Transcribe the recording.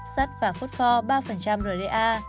sắt và phốt pho ba rda